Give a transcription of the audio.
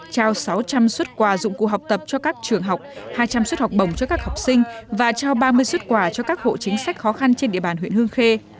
trao sáu trăm linh xuất quà dụng cụ học tập cho các trường học hai trăm linh suất học bổng cho các học sinh và trao ba mươi xuất quà cho các hộ chính sách khó khăn trên địa bàn huyện hương khê